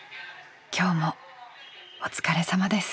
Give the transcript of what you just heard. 今日もお疲れさまです。